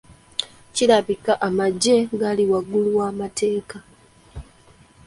Kirabika ng'amaggye gali waggulu w'amateeka.